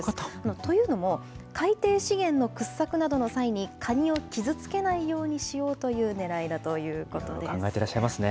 というのも、海底資源の掘削などの際に、カニを傷つけないようにしようというねらいだということ考えてらっしゃいますね。